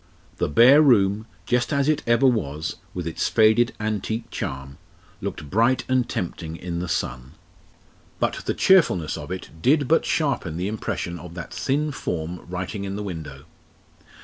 The bare room, just as it ever was with its faded antique charm looked bright and tempting in the sun. But the cheerfulness of it did but sharpen the impression of that thin form writing in the window.